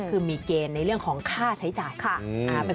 คือมีเกณฑ์ในเรื่องของค่าใช้จ่าย